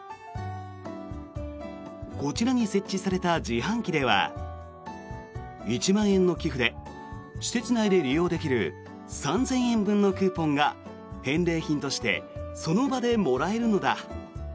こちらに設置された自販機では１万円の寄付で施設内で利用できる３０００円分のクーポンが返礼品としてその場でもらえるのだ。